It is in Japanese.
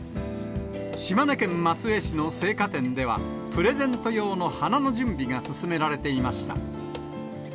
島根県松江市の生花店では、プレゼント用の花の準備が進められていました。